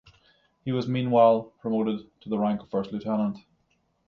He was meanwhile promoted to the rank of First lieutenant.